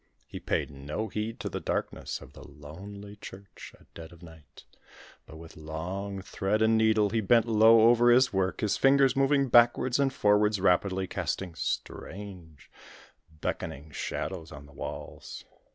He paid no heed to the darkness of the lonely church at dead of night, but with long thread and needle he bent low over his work, his fingers, moving backwards and forwards rapidly, casting strange, beckoning shadows on the walls.